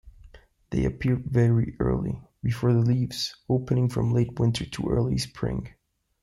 They appear very early, before the leaves, opening from late winter to early spring.